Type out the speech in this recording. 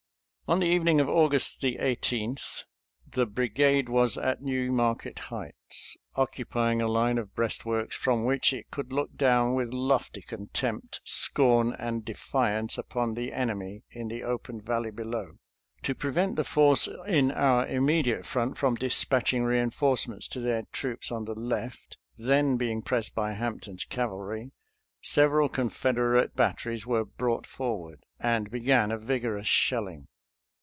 On the evening of August 18 the brigade was at New Market Heights, occupying a line of breastworks from which it could look down with lofty contempt, scorn, and defiance upon the enemy in the open valley below. To prevent the force in our immediate front from dispatching reinforcements to their troops on the left, then being pressed by Hampton's cavalry, several Confederate batteries were brought forward, and began a vigorous shelling.